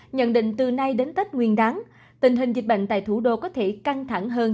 nhận định từ nay đến tết nguyên đáng tình hình dịch bệnh tại thủ đô có thể căng thẳng hơn